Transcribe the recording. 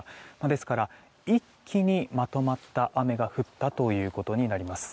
ですから、一気にまとまった雨が降ったということになります。